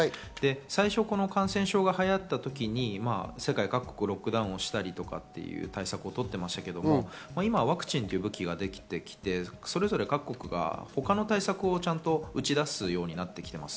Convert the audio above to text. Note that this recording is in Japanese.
最初、この感染症が流行った時に世界各国ロックダウンをしたりとか、してましたが、ワクチンという武器ができて、それぞれ各国が他の対策を打ち出すようになってきています。